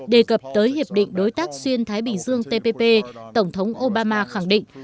đề cập tới hiệp định đối tác xuyên thái bình dương tpp tổng thống obama khẳng định